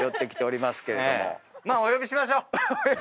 まあお呼びしましょう！